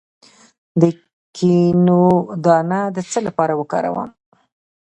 د کینو دانه د څه لپاره وکاروم؟